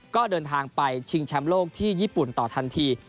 ก็เดินทางไปชิงแชมป์โลกที่ญี่ปุ่นต่อทันที